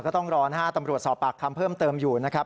ก็ต้องรอนะฮะตำรวจสอบปากคำเพิ่มเติมอยู่นะครับ